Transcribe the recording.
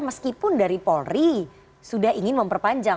meskipun dari polri sudah ingin memperpanjang